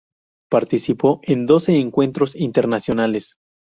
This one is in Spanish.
Participó en doce encuentros internacionales.